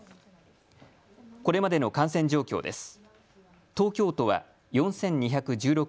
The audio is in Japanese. これまでの感染状況です。